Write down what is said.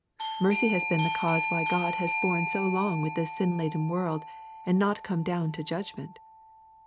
Mercy has been the cause why God has borne so long with this sin laden world, and not come down to judgment.